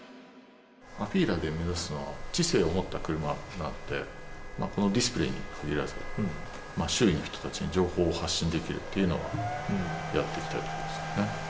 アフィーラで目指すのは、知性を持った車なので、このディスプレーに限らず、周囲の人たちに情報を発信できるっていうのはやっていきたいと思います。